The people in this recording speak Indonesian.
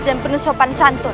dan penusupan santun